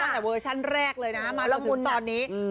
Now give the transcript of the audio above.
ตั้งแต่เวอร์ชันแรกเลยนะฮะมาต่อถึงตอนนี้อ๋อละมุนน่ะ